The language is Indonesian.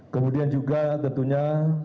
kemudian juga tentunya